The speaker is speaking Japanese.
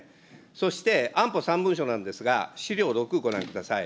そして、安保３文書なんですが、資料６、ご覧ください。